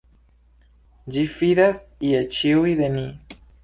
Ĝi fidas je ĉiuj de ni.